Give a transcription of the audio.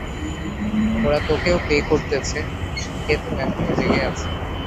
ওরা তোকেও পে করতেছে - ও তো এখনো জেগে আছে।